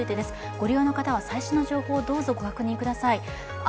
ご利用の方は最新の情報をどうぞご確認くだしあ。